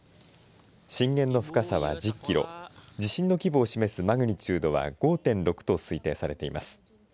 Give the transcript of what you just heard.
震源の深さは１０キロ地震の規模を示すマグニチュードは５．６と推定されています。